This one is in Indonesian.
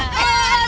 kalian mau ngapain